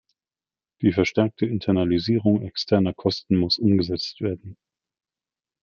Die verstärkte Internalisierung externer Kosten muss umgesetzt werden.